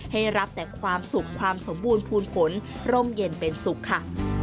ให้รับแต่ความสุขความสมบูรณ์ภูมิผลร่มเย็นเป็นสุขค่ะ